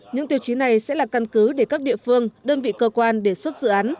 những tiêu chí này sẽ là căn cứ để các địa phương đơn vị cơ quan đề xuất dự án